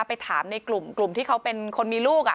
ไปถามในกลุ่มที่เขาเป็นคนมีลูก